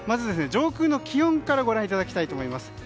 上空の気温からご覧いただきたいと思います。